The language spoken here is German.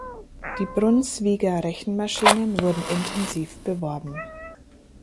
Die Brunsviga-Rechenmaschinen wurden intensiv beworben.